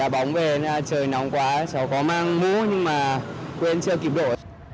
bóng về trời nóng quá cháu có mang mũ nhưng mà quên chưa kịp bộ